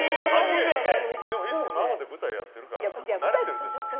いつも生で舞台やってるから慣れてるでしょ。